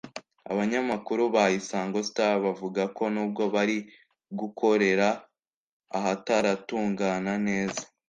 Abanyamakuru ba Isango Star bavuga ko n’ubwo bari gukorera ahataratungana neza